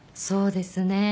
そうですね。